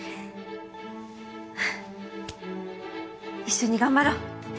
一緒に頑張ろう。